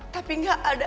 tapi gak ada